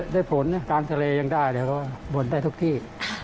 ได้ผลนะกลางทะเลยังได้เดี๋ยวก็บ่นได้ทุกที่